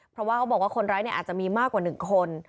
เพราะว่าเขาบอกว่าคนร้ายอาจจะมีมากกว่า๑คน